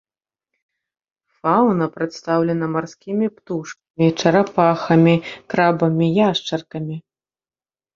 Фаўна прадстаўлена марскімі птушкамі, чарапахамі, крабамі, яшчаркамі.